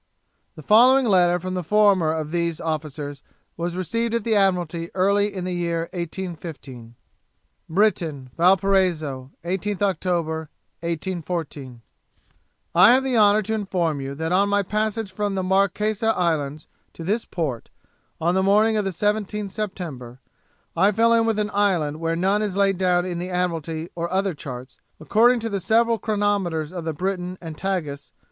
The following letter from the former of these officers was received at the Admiralty early in the year 1815. Briton, Valparaiso, 18th Oct., 1814. 'I have the honour to inform you that on my passage from the Marquesas islands to this port, on the morning of the 17th September, I fell in with an island where none is laid down in the Admiralty or other charts, according to the several chronometers of the Briton and Tagus.